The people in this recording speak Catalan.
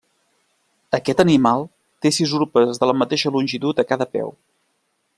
Aquest animal té sis urpes de la mateixa longitud a cada peu.